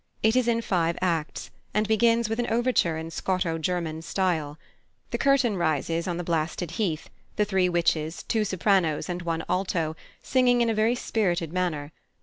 It is in five acts, and begins with an overture in Scoto German style. The curtain rises on the blasted heath, the three witches, two sopranos and one alto, singing in a very spirited manner.